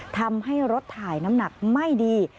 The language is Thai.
ทำให้รถถ่ายน้ำหนักไม่ดี